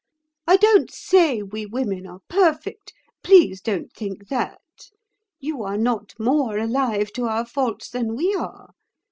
I don't say we women are perfect—please don't think that. You are not more alive to our faults than we are.